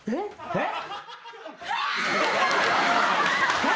えっ？